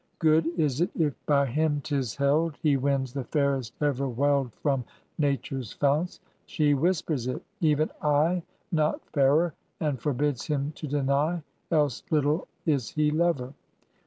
Good is it if by him 'tis held He wins the fairest ever welled From Nature's founts: she whispers it: Even I Not fairer! and forbids him to deny, Else little is he lover.